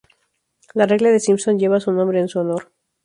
La regla de Simpson lleva su nombre en su honor.